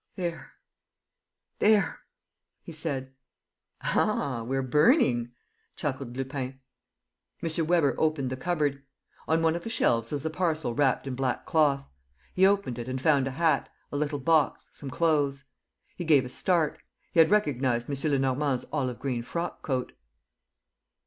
"There ... there ..." he said. "Ah, we're burning!" chuckled Lupin. M. Weber opened the cupboard. On one of the shelves was a parcel wrapped in black cloth. He opened it and found a hat, a little box, some clothes. ... He gave a start. He had recognized M. Lenormand's olive green frock coat.